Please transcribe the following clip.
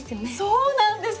そうなんです！